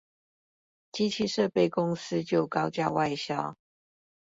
機器設備公司就高價外銷